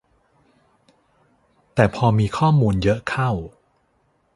แต่พอมีข้อมูลเยอะเข้า